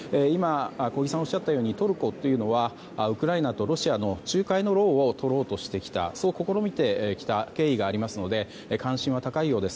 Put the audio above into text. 小木さんがおっしゃったようにトルコというのはウクライナとロシアの仲介の労を取ろうとしてきたそう試みてきた経緯がありますので関心は高いようです。